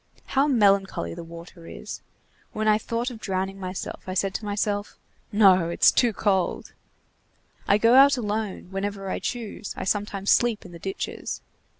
How melancholy the water is! When I thought of drowning myself, I said to myself: 'No, it's too cold.' I go out alone, whenever I choose, I sometimes sleep in the ditches.